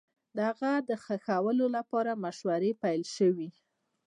د هغه د ښخولو لپاره مشورې پيل سوې